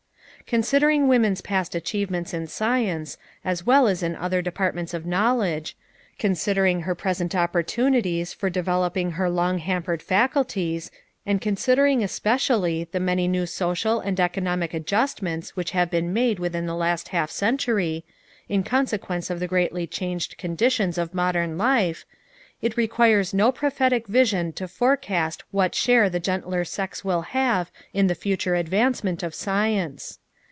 Considering woman's past achievements in science, as well as in other departments of knowledge; considering her present opportunities for developing her long hampered faculties, and considering, especially, the many new social and economic adjustments which have been made within the last half century, in consequence of the greatly changed conditions of modern life, it requires no prophetic vision to forecast what share the gentler sex will have in the future advancement of science.